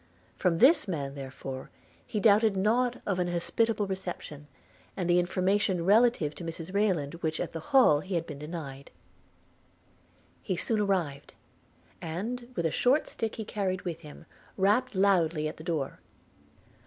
From this man, therefore, he doubted not of an hospitable reception, and the information relative to Mrs Rayland which at the Hall he had been denied. He soon arrived; and, with a short stick he carried with him, rapped loudly at the door.